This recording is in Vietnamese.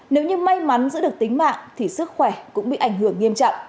nếu như may mắn giữ được tính mạng thì sức khỏe cũng bị ảnh hưởng nghiêm trọng